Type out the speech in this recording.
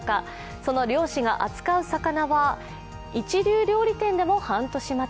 その漁師が扱う魚は一流料理店でも半年待ち。